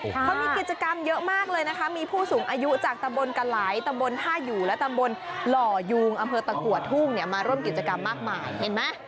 เขามีกิจกรรมเยอะมากเลยนะคะมีผู้สูงอายุจากตำบลกะไหลตำบลท่าอยู่และตำบลหล่อยูงอำเภอตะกัวทุ่งเนี่ยมาร่วมกิจกรรมมากมายเห็นไหม